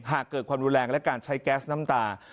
หากเกิดความรุนแรงและการใช้แก๊สน้ำตา